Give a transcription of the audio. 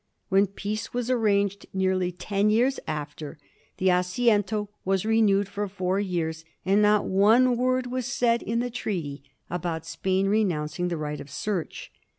When peace was arranged, nearly ten years after, the (isiento was renewed for four years, and not one word was said in the treaty about Spain re nouncing the right of search.